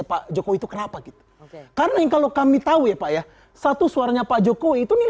pak jokowi itu kenapa gitu karena kalau kami tahu ya pak ya satu suaranya pak jokowi itu nih